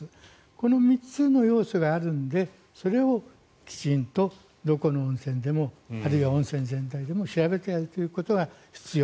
この３つの要素があるのでそれをきちんと、どこの温泉でもあるいは温泉全体でも調べてやるということが必要。